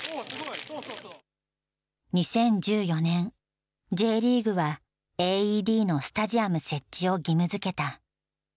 ２０１４年、ＪリーグはＡＥＤのスタジアム設置を義務づけた。